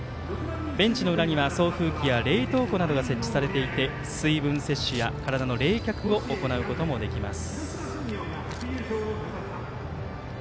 ベンチの裏には送風機や冷凍庫が設置されていて水分摂取や体の冷却を行うこともできます。